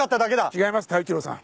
違います太一郎さん。